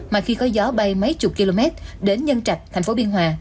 mà khi có gió bay mấy chục km đến nhân trạch thành phố biên hòa